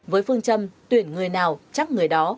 với phương châm tuyển người nào chắc người đó